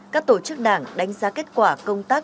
các tổ chức đảng đánh giá kết quả công tác